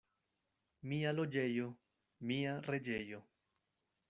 Mia loĝejo — mia reĝejo.